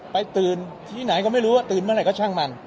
ไปตื่นที่ไหนก็ไม่รู้ว่าตื่นเมื่อไหร่ก็ช่างมัน